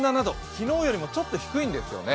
昨日よりもちょっと低いんですよね。